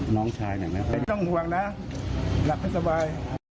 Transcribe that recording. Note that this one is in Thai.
ไม่ต้องห่วงนะแหละเค้าสบาย